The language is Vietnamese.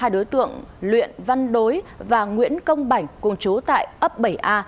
hai đối tượng luyện văn đối và nguyễn công bảnh cùng chú tại ấp bảy a